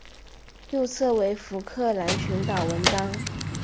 右侧为福克兰群岛纹章。